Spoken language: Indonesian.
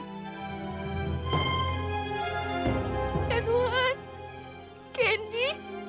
ya tuhan candy